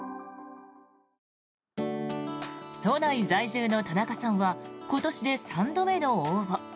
都内在住の田中さんは今年で３度目の応募。